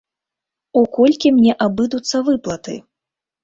У колькі мне абыдуцца выплаты?